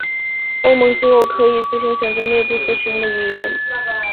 欧盟机构可以自行选择内部所使用的语言。